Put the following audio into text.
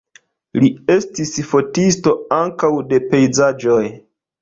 Li estis fotisto ankaŭ de pejzaĝoj.